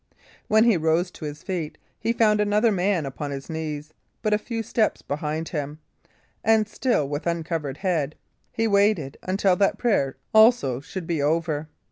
When he rose to his feet, he found another man upon his knees but a few steps behind him, and, still with uncovered head, he waited until that prayer also should be over.